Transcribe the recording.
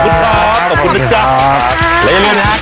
และเรียบร้อยนะครับ